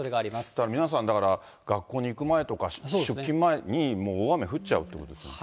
だから皆さん、学校に行く前とか出勤前に、もう大雨降っちゃうということですね。